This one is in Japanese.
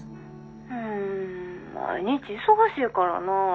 うん毎日忙しいからなぁ。